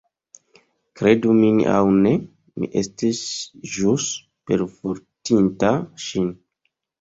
Kredu min aŭ ne, mi estis ĵus perfortinta ŝin.